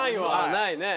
ないね。